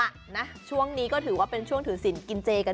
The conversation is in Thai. เอาล่ะนะช่วงนี้ก็ถือว่าเป็นช่วงถือสินกินเจกันอยู่นะคะ